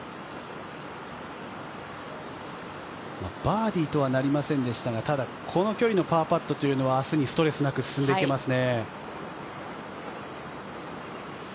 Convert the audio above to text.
バーディーとはなりませんでしたがただ、この距離のパーパットというのは明日にストレスなく進んでいけますね。